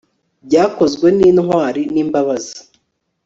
Byakozwe nintwari nimbabazi